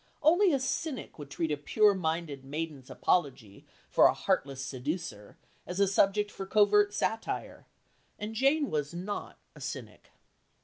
Only a cynic would treat a pure minded maiden's apology for a heartless seducer as a subject for covert satire, and Jane was not a cynic.